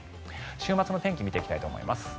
週末の天気を見ていきたいと思います。